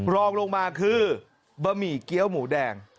รองลงมาคือบะหมี่เกี้ยวหมูแดง